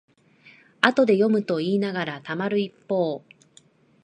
後で読むといいながらたまる一方